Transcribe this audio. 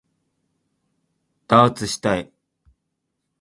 ダーツしたい